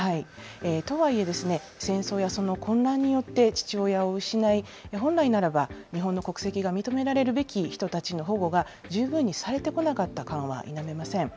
とはいえ、戦争やその混乱によって父親を失い、本来ならば、日本の国籍が認められるべき人たちの保護が十分にされてこなかった感は否めません。